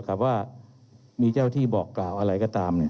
เรามีการปิดบันทึกจับกลุ่มเขาหรือหลังเกิดเหตุแล้วเนี่ย